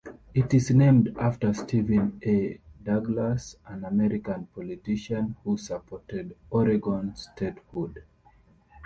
It is named after Stephen A. Douglas, an American politician who supported Oregon statehood.